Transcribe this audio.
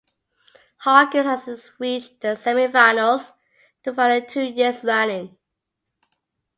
Hawkins has since reached the semi-finals the following two years running.